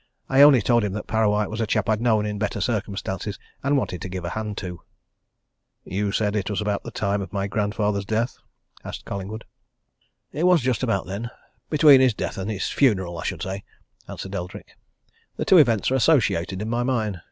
I only told him that Parrawhite was a chap I'd known in better circumstances and wanted to give a hand to." "You said it was about the time of my grandfather's death?" asked Collingwood. "It was just about then between his death and his funeral I should say," answered Eldrick, "The two events are associated in my mind.